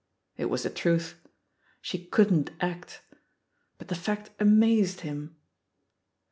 It was the truth. She couldn't act. But the fact amazed him.